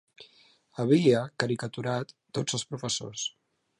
Havia caricaturat tots els professors.